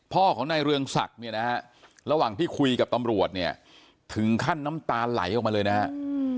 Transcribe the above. พ่อของนายเรืองศักดิ์เนี่ยนะฮะระหว่างที่คุยกับตำรวจเนี่ยถึงขั้นน้ำตาไหลออกมาเลยนะครับ